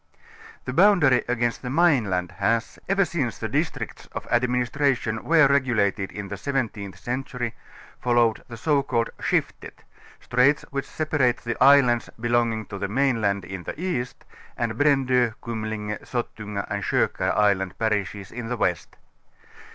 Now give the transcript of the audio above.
The boundary against the main land has, ever since the districts of ' administration were regulated in the seventeenth century, followed the so called ,.Skiftet", straits which separate the islands belonging to the mainland in the ea, st and Brando. Kumlinge, Sottunga and Kokar island parishes in the west.